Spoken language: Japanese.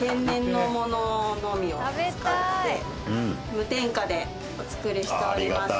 無添加でお作りしております。